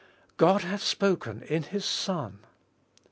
God hath spoken in His Son!